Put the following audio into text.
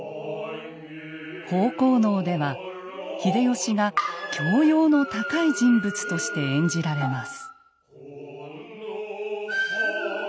「豊公能」では秀吉が教養の高い人物として演じられます。